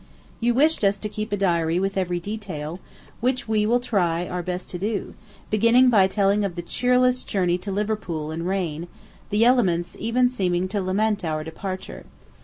You wished us to keep a diary with every detail, which we will try our best to do, beginning by telling of the cheerless journey to Liverpool in rain, the elements even seeming to lament our departure.